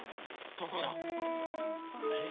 どこだ？えっ？